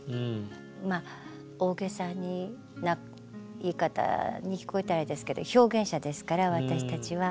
大げさな言い方に聞こえたらあれですけど表現者ですから私たちは。